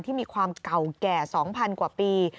ที่มีความเก่าแก่๒๐๐กว่าปี